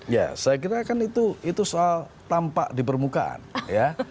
ya saya kira kan itu soal tampak di permukaan ya